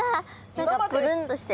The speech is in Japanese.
何かぷるんとしてる。